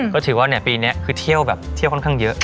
ก็ถือว่าปีนี้คือเที่ยวแบบเที่ยวค่อนข้างเยอะ